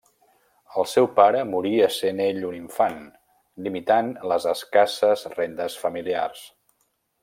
El seu pare morí essent ell un infant, limitant les escasses rendes familiars.